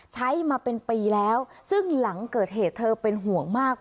ใช้มาเป็นปีแล้วซึ่งหลังเกิดเหตุเธอเป็นห่วงมาก